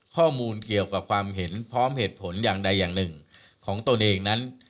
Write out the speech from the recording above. ข้อมูลเกี่ยวกับความเห็นพร้อมเหตุผลอย่างใดอย่างหนึ่งของตนเองนั้น